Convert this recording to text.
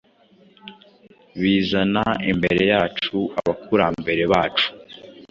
Bizana imbere yacu abakurambere bacu